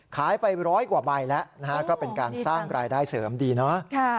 ขายไปร้อยกว่าใบแล้วก็เป็นการสร้างรายได้เสริมดีเนาะ